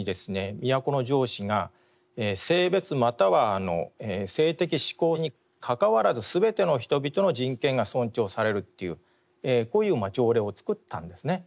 都城市が「性別又は性的指向にかかわらずすべての人々の人権が尊重される」というこういう条例を作ったんですね。